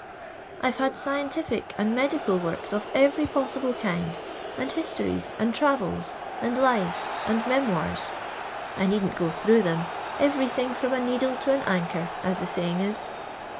I 've had scientific and medical works of every possible kind, and histories, and travels, and lives, and memoirs. I needn't go through them — every thing, from a needle to an anchor, as the saying is.